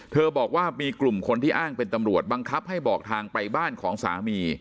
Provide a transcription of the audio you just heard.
บอกว่ามีกลุ่มคนที่อ้างเป็นตำรวจบังคับให้บอกทางไปบ้านของสามี